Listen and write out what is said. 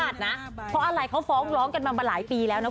ที่สวุนาลีหลาดซีมาก